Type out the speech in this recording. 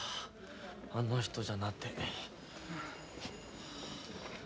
あの人じゃなて。